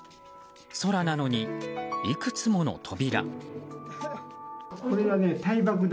空なのに、いくつもの扉。